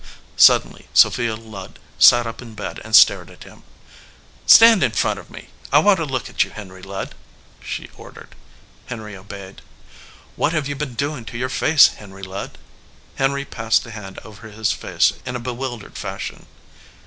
Suddenly Sophia Ludd sat up in bed and stared at him. "Stand in front of me. I want to look 246 THE SOLDIER MAN at you, Henry Ludd," she ordered. Henry obeyed. "What have you been doin to your face, Henry Ludd?" Henry passed a hand over his face in a bewil dered fashion.